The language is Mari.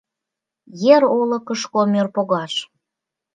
Ер олыкышко мӧр погаш.